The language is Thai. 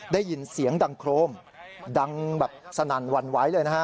ได้ยินเสียงดังโครมดังแบบสนั่นหวั่นไหวเลยนะฮะ